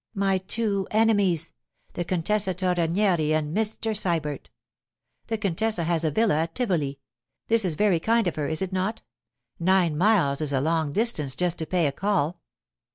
'My two enemies! The Contessa Torrenieri and Mr. Sybert. The contessa has a villa at Tivoli. This is very kind of her, is it not? Nine miles is a long distance just to pay a call.